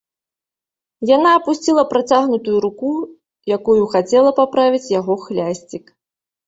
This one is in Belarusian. Яна апусціла працягнутую руку, якою хацела паправіць яго хлясцік.